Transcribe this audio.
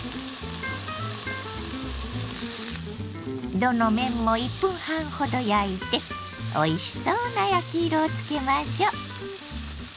どの面も１分半ほど焼いておいしそうな焼き色をつけましょう。